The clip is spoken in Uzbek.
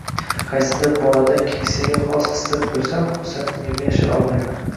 Qaysidir bolada keksaga xos xislat ko’rsam, xursandligimni yashira olmayman.